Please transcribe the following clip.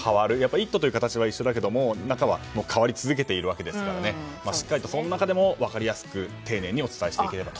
「イット！」という形は同じだけれども中は変わり続けているわけですからしっかりとその中でも分かりやすく丁寧にお伝えしていければと。